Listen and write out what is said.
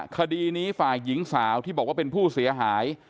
คดีนี้ฝ่ายหญิงสาวที่บอกว่าเป็นผู้เสียหาย